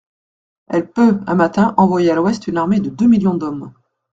Elle peut, un matin, envoyer à l'ouest une armée de deux millions d'hommes.